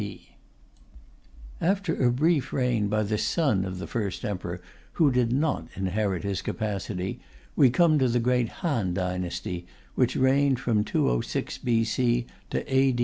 B.C. After a brief reign by the son of the First Emperor, who did not inherit his capacity, we come to the great Han dynasty, which reigned from 206 B.C. to A.